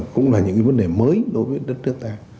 cũng là những vấn đề mới đối với đất nước ta